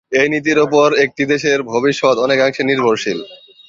এ নীতির ওপর একটি দেশের ভবিষ্যৎ অনেকাংশে নির্ভরশীল।